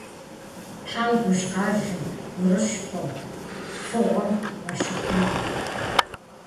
Тхьэм гужьгъэжьым, гурыщхъуэм, фыгъуэм уащихъумэ.